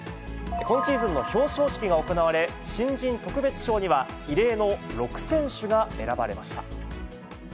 今シーズンの表彰式が行われ、新人特別賞には、異例の６選手が選ばれました。